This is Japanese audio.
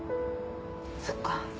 そっか。